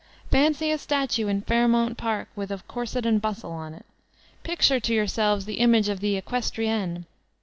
Fancy a statue in Fainnount Park with a corset and bustle on. Picture to yourselves the image of the equestrienne.